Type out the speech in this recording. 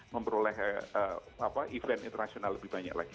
memperoleh event internasional lebih banyak lagi